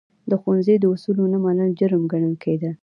د ښوونځي د اصولو نه منل، جرم ګڼل کېده.